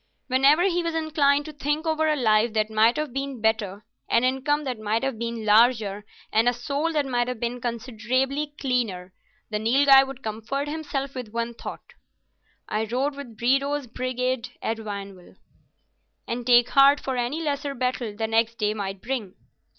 Whenever he was inclined to think over a life that might have been better, an income that might have been larger, and a soul that might have been considerably cleaner, the Nilghai would comfort himself with the thought, "I rode with Bredow's brigade at Vionville," and take heart for any lesser battle the next day might bring.